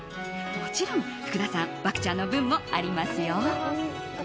もちろん、福田さん漠ちゃんの分もありますよ！